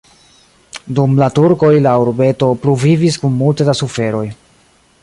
Dum la turkoj la urbeto pluvivis kun multe da suferoj.